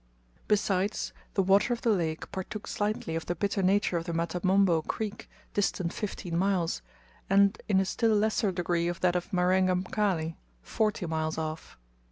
Besides the water of the lake partook slightly of the bitter nature of the Matamombo creek, distant fifteen miles, and in a still lesser degree of that of Marenga Mkali, forty miles off.